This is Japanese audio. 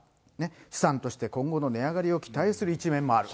資産として、今後の値上がりを期待する一面もあると。